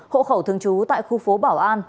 hộ khẩu thường trú tại khu phố bảo an